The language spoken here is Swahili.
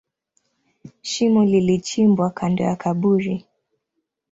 Shimo lilichimbwa kando ya kaburi.